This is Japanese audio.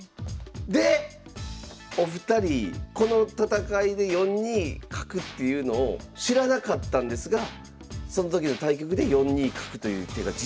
でお二人この戦いで４二角っていうのを知らなかったんですがその時の対局で４二角という手が実現するという。